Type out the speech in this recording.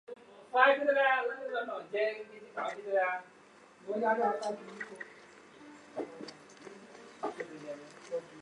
泰达控股的唯一股东为天津市人民政府国有资产监督管理委员会。